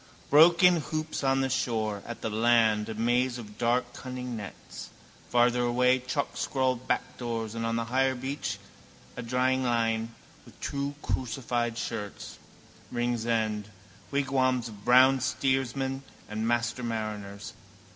Broken hoops on the shore; at the land a maze of dark cunning nets; farther away chalkscrawled backdoors and on the higher beach a dryingline with two crucified shirts. Ringsend: wigwams of brown steersmen and master mariners.